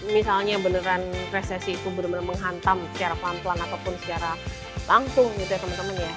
misalnya beneran resesi itu bener bener menghantam secara pelan pelan ataupun secara langsung gitu ya teman teman ya